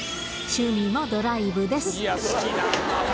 趣味もドライブです。